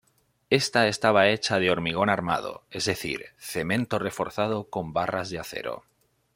Esta estaba hecha de hormigón armado, es decir, cemento reforzado con barras de acero.